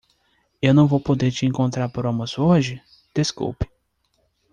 Eu não vou poder te encontrar para o almoço hoje? desculpe!